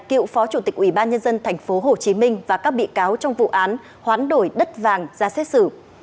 cựu phó chủ tịch ủy ban nhân dân tp hcm và các bị cáo trong vụ án hoán đổi đất vàng ra xét xử